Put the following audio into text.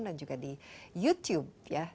dan juga di youtube ya